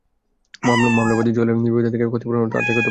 মামলায় বাদী জয়ী হলে বিবাদী থেকে ক্ষতিপূরণ হিসেবে অর্থ আদায় করতে পারেন।